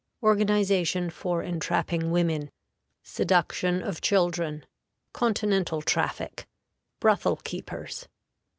Organization for entrapping Women. Seduction of Children. Continental Traffic. Brothel keepers.